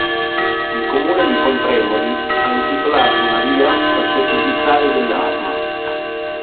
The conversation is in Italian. Il comune di Pontremoli ha intitolato una via al sottufficiale dell'Arma.